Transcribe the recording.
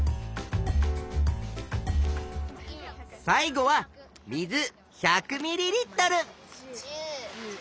最後は水１００ｍＬ！